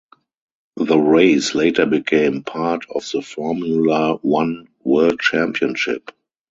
The race later became part of the Formula One World Championship.